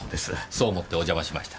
そう思ってお邪魔しました。